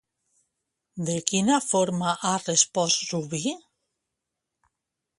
De quina forma ha respost Rubí?